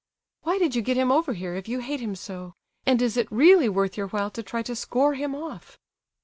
"Why did you get him over here, if you hate him so? And is it really worth your while to try to score off him?"